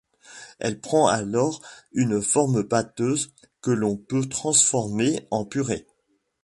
Elle prend alors une forme pâteuse que l'on peut transformer en purée.